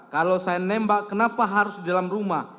kalau saya nembak kenapa harus di dalam rumah